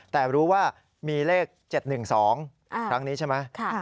แต่รู้ว่ามีเลข๗๑๒ครั้งนี้ใช่ไหม